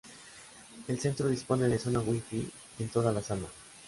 El Centro dispone de zona WiFi en toda la sala.